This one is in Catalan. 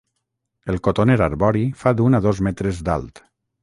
El cotoner arbori fa d'un a dos metres d'alt.